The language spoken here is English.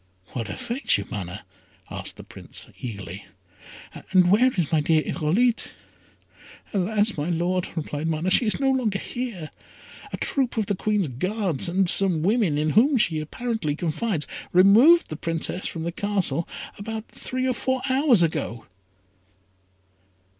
"What afflicts you, Mana?" asked the Prince, eagerly; "and where is my dear Irolite?" "Alas! my Lord," replied Mana, "she is no longer here. A troop of the Queen's Guards, and some women, in whom she apparently confides, removed the Princess from the Castle about three or four hours ago."